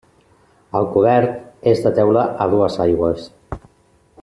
El cobert és de teula a dues aigües.